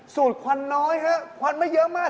ดควันน้อยฮะควันไม่เยอะมาก